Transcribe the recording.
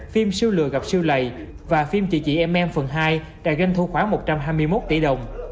phim siêu lừa gặp siêu lầy và phim chị chị em em phần hai đã doanh thu khoảng một trăm hai mươi một tỷ đồng